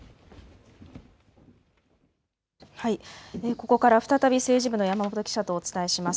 ここから再び政治部の山本記者とお伝えします。